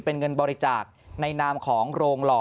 เป็นเงินบริจาคในนามของโรงหล่อ